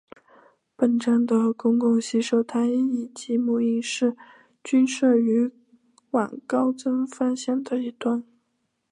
本站的公共洗手间以及母婴室均设于往高增方向的一端。